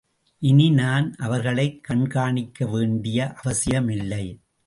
இனி நான் அவர்களைக் கண்காணிக்க வேண்டிய அவசியமல்லை.